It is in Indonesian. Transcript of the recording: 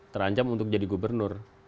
terancam untuk jadi gubernur